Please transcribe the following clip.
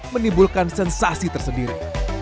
menimbulkan sensasi tersendiri